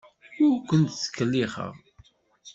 Ur kent-ttkellixeɣ.